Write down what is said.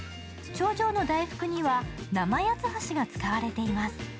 頂上の大福には生八ツ橋が使われています。